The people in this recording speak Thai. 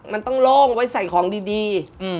มันต้องโล่งไว้ใส่ของดี